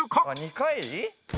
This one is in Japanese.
「２回！？」